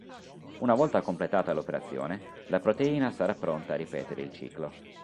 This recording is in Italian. Una volta completata l'operazione, la proteina sarà pronta a ripetere il ciclo.